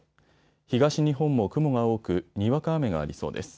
東日本も雲が多く、にわか雨がありそうです。